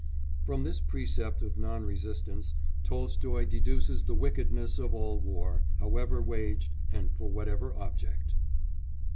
'" From this precept of non resistance Tolstoy deduces the wickedness of all war, however waged and for whatever object.